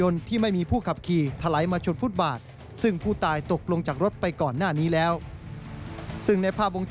ในลักษณะดีกว่า